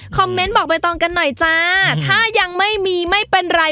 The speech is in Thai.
เมนต์บอกใบตองกันหน่อยจ้าถ้ายังไม่มีไม่เป็นไร